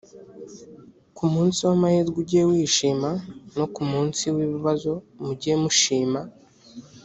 ku munsi w’amahirwe ujye wishima no ku munsi w’ibibazo mujye mushima